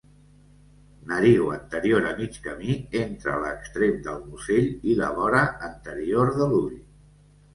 Nariu anterior a mig camí entre l'extrem del musell i la vora anterior de l'ull.